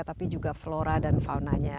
tapi juga flora dan faunanya